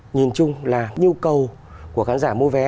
nhìn chung là nhu cầu của khán giả mua vé